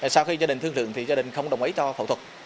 sau khi gia đình thương thượng thì gia đình không đồng ý cho phẫu thuật